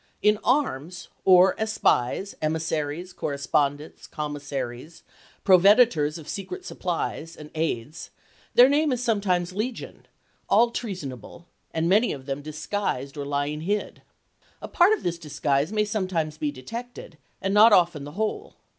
In arms, or as spies, emissaries, correspondents, commissaries, proveditors of secret supplies and aids, their name is sometimes legion ; all treason able, and many of them disguised or lying hid. A part of this disguise may sometimes be detected, and not often the whole.